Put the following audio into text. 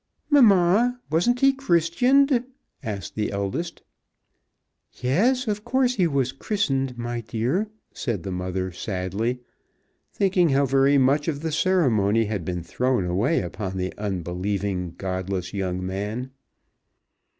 "Mamma, wasn't he christianed?" asked the eldest. "Yes, of course he was christened, my dear," said the mother, sadly, thinking how very much of the ceremony had been thrown away upon the unbelieving, godless young man.